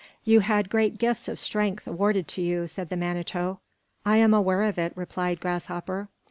"You had great gifts of strength awarded to you," said the Manito. "I am aware of it," replied Grasshopper.